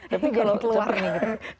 tapi kalau keluar nih gitu